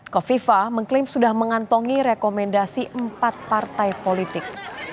kofifa mengklaim sudah mengantongi rekomendasi empat partai politik